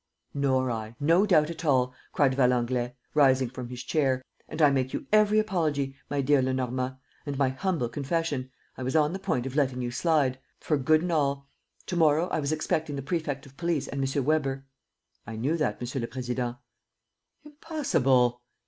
"Nor I, no doubt at all," cried Valenglay, rising from his chair, "and I make you every apology, my dear Lenormand, and my humble confession: I was on the point of letting you slide ... for good and all! To morrow I was expecting the prefect of police and M. Weber." "I knew that, Monsieur le Président." "Impossible!"